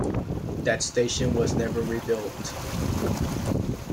That station was never rebuilt.